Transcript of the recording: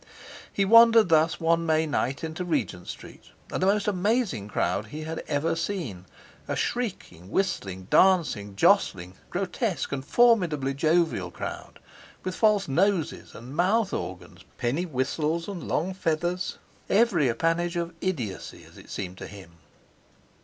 He wandered thus one May night into Regent Street and the most amazing crowd he had ever seen; a shrieking, whistling, dancing, jostling, grotesque and formidably jovial crowd, with false noses and mouth organs, penny whistles and long feathers, every appanage of idiocy, as it seemed to him.